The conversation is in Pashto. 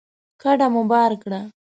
کډه مو بار کړه